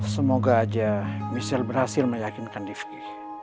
semoga aja michelle berhasil meyakinkan divki